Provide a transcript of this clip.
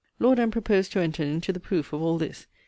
Lord M. proposed to enter into the proof of all this.